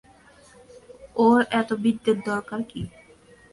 ওর এত বিদ্যের দরকার কী?